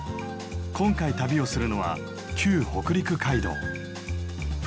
今回旅をするのは旧北陸街道。